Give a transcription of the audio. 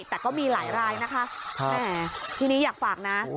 แต่ก็มีหลายรายนะคะแหมทีนี้อยากฝากนะ